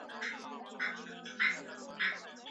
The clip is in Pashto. که دا بنسټ کلک وي نو ټولنه به پرمختګ وکړي.